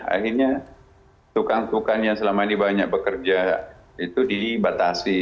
akhirnya tukang tukang yang selama ini banyak bekerja itu dibatasi